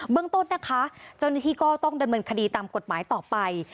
เมืองต้นนะคะเจ้าหน้าที่ก็ต้องดำเนินคดีตามกฎหมายต่อไป